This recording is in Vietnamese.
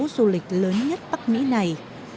du lịch lớn nhất bắc mỹ này